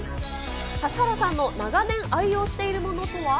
指原さんの長年、愛用しているものとは？